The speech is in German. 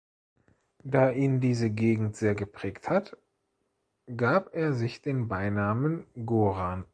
Da ihn diese Gegend sehr geprägt hat, gab er sich den Beinamen Goran.